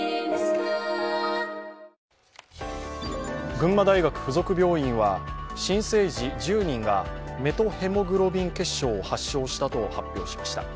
群馬大学附属病院は新生児１０人がメトヘモグロビン血症を発症したと発表しました。